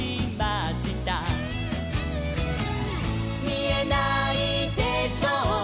「みえないでしょう